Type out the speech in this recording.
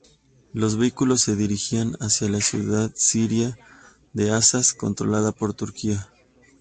Los vehículos se dirigían hacia la ciudad siria de Azaz, controlada por Turquía.